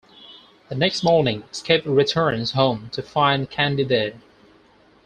The next morning, Skip returns home to find Candy there.